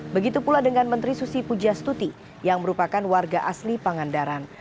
begitu pula dengan menteri susi pujastuti yang merupakan warga asli pangandaran